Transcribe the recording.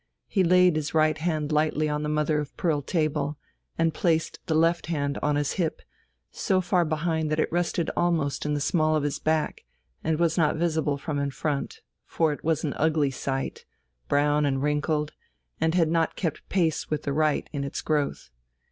He laid his right hand lightly on the mother of pearl table, and placed the left hand on his hip, so far behind that it rested almost in the small of his back, and was not visible from in front, for it was an ugly sight, brown and wrinkled, and had not kept pace with the right in its growth.